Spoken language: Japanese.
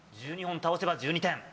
１２本倒せば１２点。